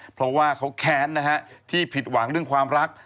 เพราะว่าเขาแค้นนะฮะที่ผิดหวังเรื่องความรัก